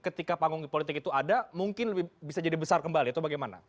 ketika panggung politik itu ada mungkin bisa jadi besar kembali atau bagaimana